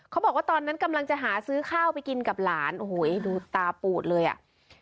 เขาบอกว่าตอนนั้นกำลังจะหาซื้อข้าวไปกินกับหลานโอ้โหดูตาปูดเลยอ่ะ